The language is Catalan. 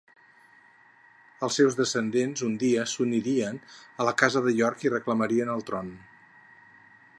Els seus descendents un dia s'unirien a la Casa de York i reclamarien el tron.